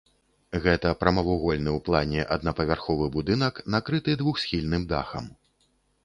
Гэта прамавугольны ў плане аднапавярховы будынак, накрыты двухсхільным дахам.